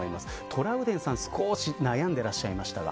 トラウデンさん、少し悩んでいらっしゃいましたが。